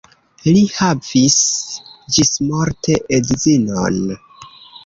Li havis ĝismorte edzinon.